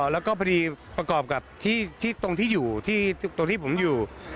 แล้วก็พอดีประกอบกับที่ตรงที่อยู่ตรงที่ผมอยู่